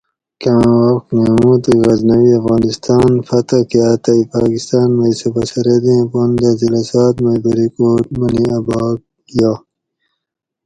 کاں وخت محمود غزنوی افغانستان فتح کاۤ تئ پاکستان مئ صوبہ سرحد ایں پن دہ ضلع سوات مئ بریکوٹ منی اۤ بھاک یاگ